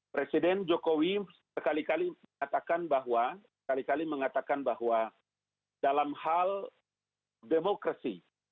presiden jokowi sekali kali mengatakan bahwa dalam hal demokrasi